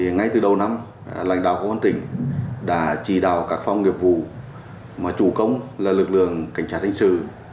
ngay từ đầu năm lãnh đạo công an tỉnh đã chỉ đào các phòng nghiệp vụ mà chủ công là lực lượng cảnh sát hình sự